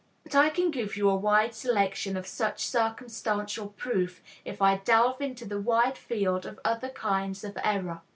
But I can give you a wide selection of such circumstantial proof if I delve into the wide field of other kinds of error.